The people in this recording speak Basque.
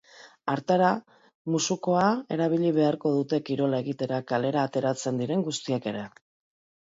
Hartara, musukoa erabili beharko dute kirola egitera kalera ateratzen diren guztiek ere.